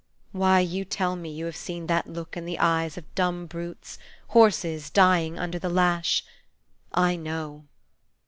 Why, you tell me you have seen that look in the eyes of dumb brutes, horses dying under the lash. I know.